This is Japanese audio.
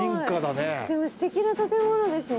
でもすてきな建物ですね。